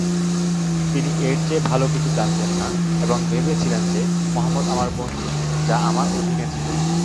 তিনি এর চেয়ে ভাল কিছু জানতেন না এবং ভেবেছিলেন যে মোহাম্মদ আমার বন্ধু, যা আমার অধীনে ছিল।